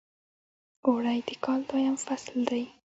اوړی د کال دویم فصل دی .